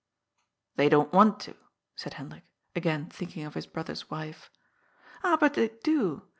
" They don't want to," said Hendrik, again thinking of his brother's wife. " Ah, but they do.